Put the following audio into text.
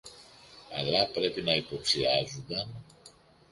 αλλά πρέπει να υποψιάζουνταν